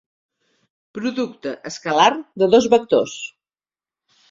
Producte escalar de dos vectors.